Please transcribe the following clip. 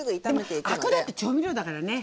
でもアクだって調味料だからね。